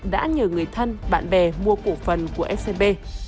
đã nhờ người thân bạn bè mua cổ phần của scb